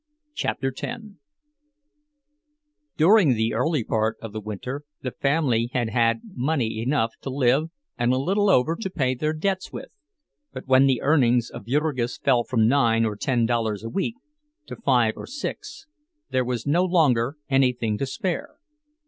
CHAPTER X During the early part of the winter the family had had money enough to live and a little over to pay their debts with; but when the earnings of Jurgis fell from nine or ten dollars a week to five or six, there was no longer anything to spare.